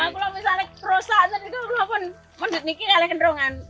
kalau misalnya perosaan niki kalau niki kalau kenderungan